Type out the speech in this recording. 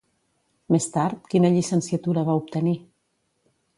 Més tard, quina llicenciatura va obtenir?